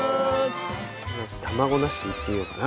まず卵なしでいってみようかな。